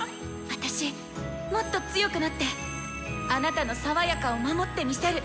「私もっと強くなってあなたのさわやかを守ってみせる。